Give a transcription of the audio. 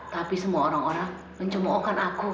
tapi semua orang orang mencemohkan aku